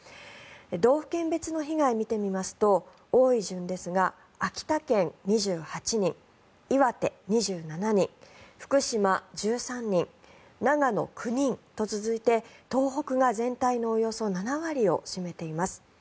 道府県別の被害を見てみますと多い順ですが秋田県、２８人岩手、２７人福島、１３人長野、９人と続いて東北が全体のおよそ７割を占めています。